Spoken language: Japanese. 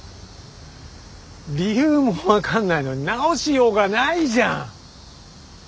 理由も分かんないのに直しようがないじゃん。